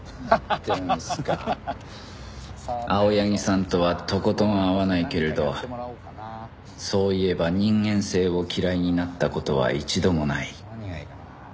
青柳さんとはとことん合わないけれどそういえば人間性を嫌いになった事は一度もない